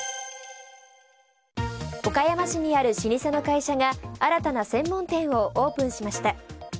岡山市にある老舗の会社が新たな専門店をオープンしました。